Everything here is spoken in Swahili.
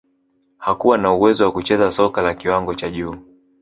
hakuwa na uwezo wa kucheza soka la kiwango cha juu